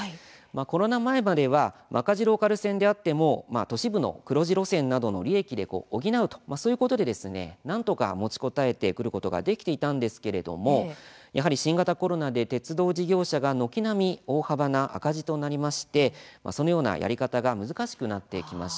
コロナ前までは赤字ローカル線であっても都市部の黒字路線などの利益で補うというそういうことでなんとか持ちこたえてくることができたんですけれどもやはり新型コロナで鉄道事業者が軒並み大幅な赤字となりましてそのようなやり方が難しくなってきました。